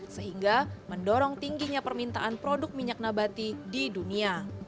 sehingga mendorong tingginya permintaan produk minyak nabati di dunia